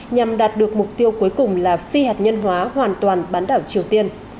nhằm đạt được mục tiêu cuối cùng là phi hạt nhân hóa hoàn toàn bán đảo triều tiên